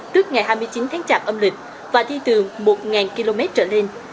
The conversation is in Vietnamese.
trước ngày hai mươi chín tháng chạm âm lịch và đi từ một km trở lên